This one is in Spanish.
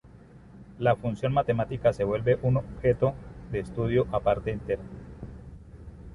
La función matemática se vuelve un objeto de estudio a parte entera.